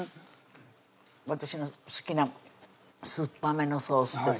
私の好きな酸っぱめのソースです